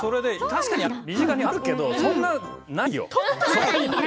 確かに身近にあるけどないよ。